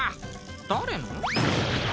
誰の？